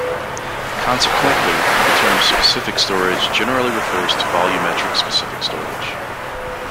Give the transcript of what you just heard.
Consequently, the term specific storage generally refers to volumetric specific storage.